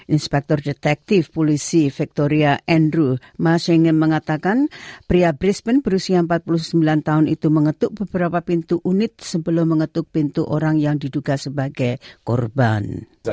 inspektor detektif polisi victoria andrew masih ingin mengatakan pria brisman berusia empat puluh sembilan tahun itu mengetuk beberapa pintu unit sebelum mengetuk pintu orang yang diduga sebagai korban